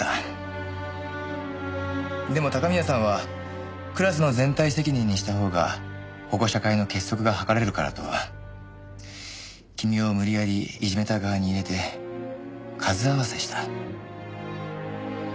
でも高宮さんはクラスの全体責任にしたほうが保護者会の結束が図れるからと君を無理やりいじめた側に入れて数合わせした。